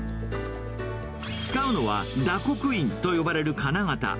使うのは打刻印と呼ばれる金型。